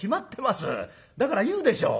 だから言うでしょう？